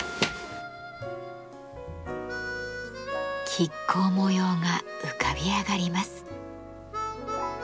亀甲模様が浮かび上がります。